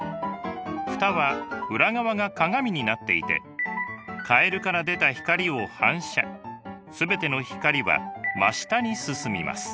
フタは裏側が鏡になっていてカエルから出た光を反射全ての光は真下に進みます。